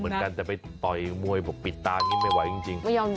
ไม่เถียง